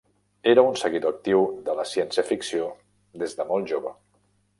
Era un seguidor actiu de la ciència ficció des de molt jove.